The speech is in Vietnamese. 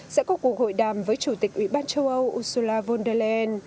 sẽ có cuộc hội đàm với chủ tịch ủy ban châu âu ursula von der leyen